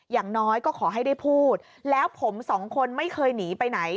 อย่างน้อยก็ขอให้ได้พูดแล้วผมสองคนไม่เคยหนีไปไหน